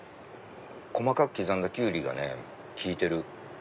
細かく刻んだキュウリがね効いてる。